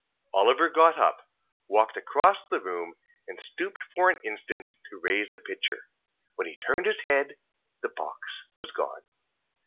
Oliver got up; walked across the room; and stooped for an instant to raise the pitcher. When he turned his head, the box was gone.